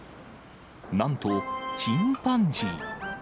なんと、チンパンジー。